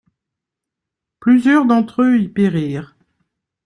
Plusieurs d'entre eux y périrent.